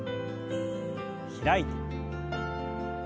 開いて。